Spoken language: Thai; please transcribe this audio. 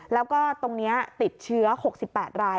แล้วก็ตรงนี้ติดเชื้อ๖๘ราย